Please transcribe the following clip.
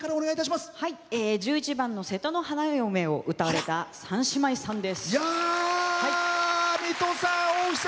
１１番「瀬戸の花嫁」を歌われた３姉妹さんです。